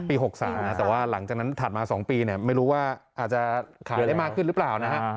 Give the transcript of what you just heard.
๖๓นะแต่ว่าหลังจากนั้นถัดมา๒ปีไม่รู้ว่าอาจจะขายได้มากขึ้นหรือเปล่านะฮะ